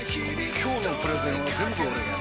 今日のプレゼンは全部俺がやる！